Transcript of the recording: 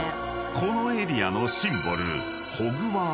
［このエリアのシンボル］